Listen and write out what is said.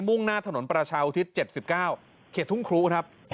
่งหน้าถนนประชาอุทิศ๗๙เขตทุ่งครูครับ